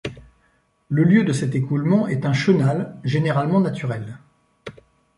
Le lieu de cet écoulement est un chenal, généralement naturel.